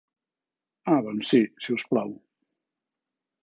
Ah doncs si, si us plau.